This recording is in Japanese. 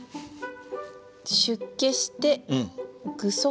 「出家して具足戒」？